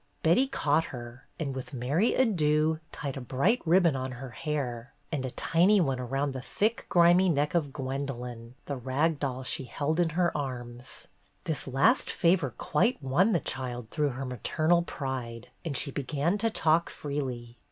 Betty caught her, and with merry ado tied a bright ribbon on her hair and a tiny one around the 126 BETTY BAIRD'S GOLDEN YEAR thick grimy neck of Gwendolin, the rag doll she held in her arms. This last favor quite won the child, through her maternal pride, and she began to talk freely.